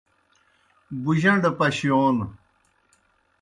بُجݩڈہ پشِیون